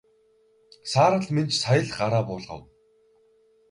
Саарал Минж сая л гараа буулгав.